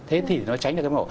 thế thì nó tránh được cái mổ